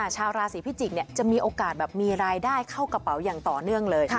ชาวราศีพิจิกษ์จะมีโอกาสแบบมีรายได้เข้ากระเป๋าอย่างต่อเนื่องเลย